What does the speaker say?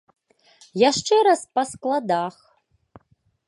Яшчэ раз па складах.